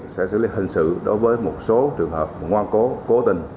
sẽ xử lý hình sự đối với một số trường hợp ngoan cố cố tình